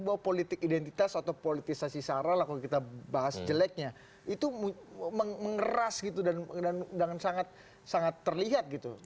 bahwa politik identitas atau politisasi sara lah kalau kita bahas jeleknya itu mengeras gitu dan dengan sangat terlihat gitu